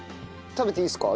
食べていいですか？